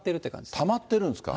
たまってるんですか。